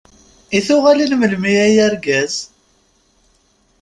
I tuɣalin melmi ay argaz?